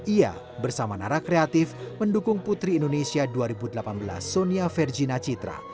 ia bersama nara kreatif mendukung putri indonesia dua ribu delapan belas sonia fergina citra